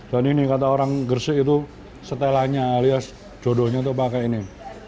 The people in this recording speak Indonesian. dan ini kata orang gresik itu setelahnya alias jodohnya itu apa kayak gini